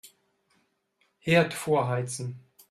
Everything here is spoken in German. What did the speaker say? Herd vorheizen.